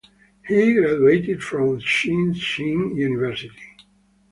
He graduated from Shih Hsin University.